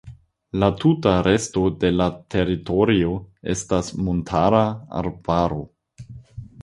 La tuta resto de la teritorio estas montara arbaro.